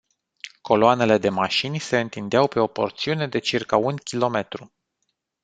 Coloanele de mașini se întindeau pe o porțiune de circa un kilometru.